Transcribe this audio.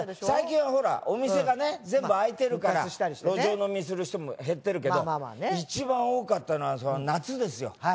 最近はほらお店がね全部開いてるから路上飲みする人も減ってるけどいちばん多かったのは夏ですよ。